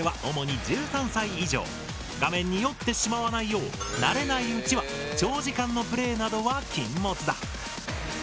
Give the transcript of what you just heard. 画面に酔ってしまわないよう慣れないうちは長時間のプレイなどは禁物だ。